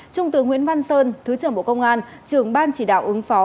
trung tướng nguyễn văn sơn thứ trưởng bộ công an trưởng ban chỉ đạo ứng phó